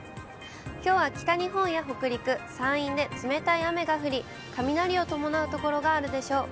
きょうは北日本や北陸、山陰で冷たい雨が降り、雷を伴う所があるでしょう。